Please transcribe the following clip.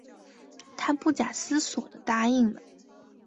她不假思索地答应了